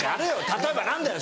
例えば何だよ？